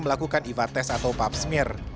melakukan iva tes atau papsmir